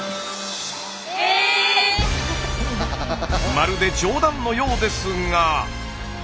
まるで冗談のようですが。